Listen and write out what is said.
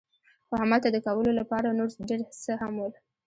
خو همالته د کولو لپاره نور ډېر څه هم ول.